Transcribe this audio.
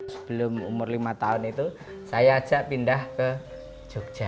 sebelum umur lima tahun itu saya ajak pindah ke jogja